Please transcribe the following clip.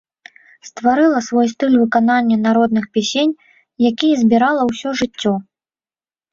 Стварыла свой стыль выканання народных песень, якія збірала ўсё жыццё.